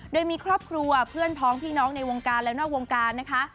โดยมีครอบครัวเพื่อนพ้องพี่น้องในวงการและนอกวงการนะคะ